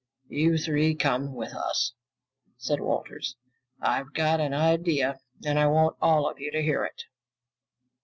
"You three come with us," said Walters. "I've got an idea and I want all of you to hear it."